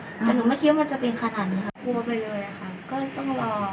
กลัวไปเลยค่ะก็ต้องรอให้ใจหนูได้ขึ้นก่อน